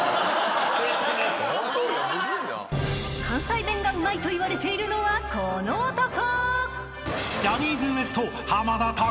［関西弁がうまいと言われているのはこの男！］